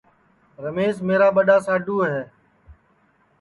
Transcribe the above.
رمیش میرا ٻڈؔا ساڈوُ ہے